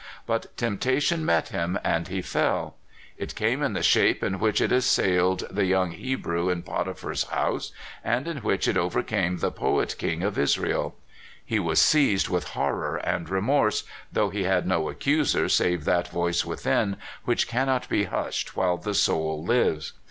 But temptation met him, and he fell. It came in the shape in which it assailed the young Hebrew in Potiphar's house, and in which it overcame the poet king of Israel. He was seized with horror and remorse, though he had no accuser save that voice within, which cannot be hushed while the soul lives.